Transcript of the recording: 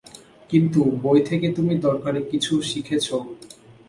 কিন্তু বই থেকে তুমি দরকারী কিছু শিখেছো।